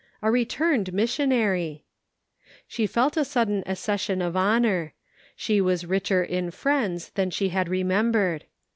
A returned missionary! 450 The Pocket Measure. She felt a sudden accession of honor ; she was richer in friends than she had remembered.